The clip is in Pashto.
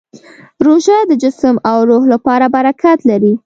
روژه د جسم او روح لپاره برکت لري.